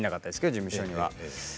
事務所にはね。